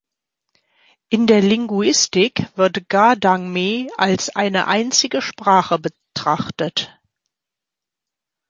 In der Linguistik wird Ga-Dangme als eine einzige Sprache betrachtet.